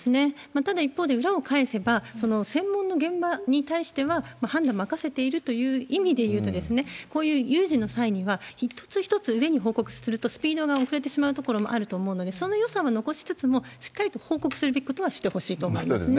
ただ一方で、裏を返せば、その専門の現場に対しては判断任せているという意味でいうと、こういう有事の際には、一つ一つ上に報告するとスピードが遅れてしまうところもあると思うので、そのよさは残しつつも、しっかりと報告するべきことはしそうですね。